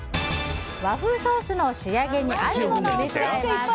和風ソースの仕上げにあるものを加えます。